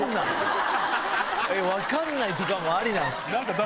分かんないとかありなんすか？